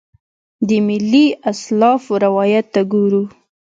د ملي اسلافو روایت ته ګورو.